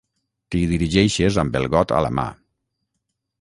T'hi dirigeixes amb el got a la mà.